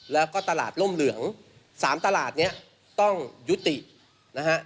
แล้วก็ตลาดร่มเหลือง๓ตลาดนี้ต้องยุตินะฮะ